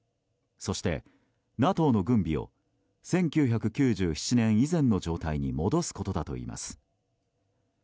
そして、ＮＡＴＯの軍備を１９９７年以前の状態に戻すことだといいます。